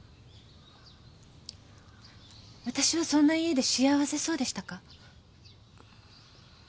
わたしはそんな家で幸せそうでしたか？